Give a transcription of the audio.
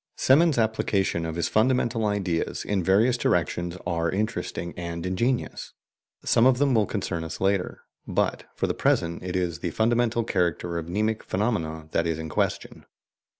Semon's applications of his fundamental ideas in various directions are interesting and ingenious. Some of them will concern us later, but for the present it is the fundamental character of mnemic phenomena that is in question.